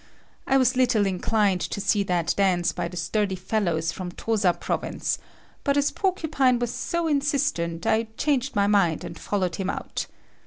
I was little inclined to see that dance by the sturdy fellows from Tosa province, but as Porcupine was so insistent, I changed my mind and followed him out.